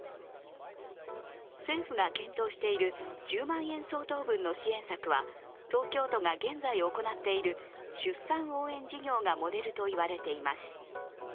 政府が検討している１０万円相当分の支援策は、東京都が現在行っている出産応援事業がモデルといわれています。